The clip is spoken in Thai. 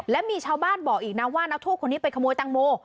และมีชาวบ้านบอกอีกนะว่านักโทษคนนี้ไปขโมยตังโม